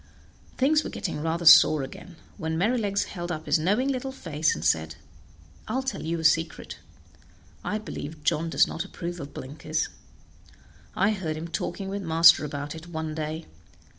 Things were getting rather sore again, when Merrylegs held up his knowing little face and said, "I'll tell you a secret: I believe John does not approve of blinkers; I heard him talking with master about it one day.